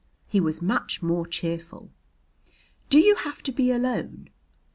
He was much more cheerful. "Do you have to be alone?"